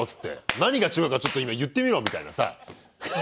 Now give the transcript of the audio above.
「何が違うかちょっと今言ってみろ」みたいなさ。